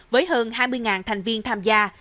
với hơn hai mươi thành viên tham gia